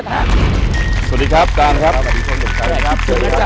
สวัสดีครับอาจารย์ครับ